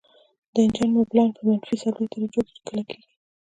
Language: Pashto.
د انجن موبلاین په منفي څلوېښت درجو کې ډیر کلکیږي